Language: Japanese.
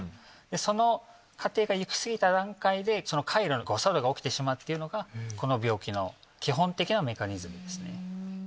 その過程が行き過ぎた段階で。が起きてしまうっていうのがこの病気の基本的なメカニズムですね。